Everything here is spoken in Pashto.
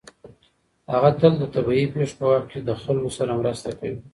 هغه تل د طبیعي پېښو په وخت کې له خلکو سره مرسته کوي.